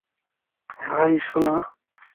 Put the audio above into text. High, সোনা।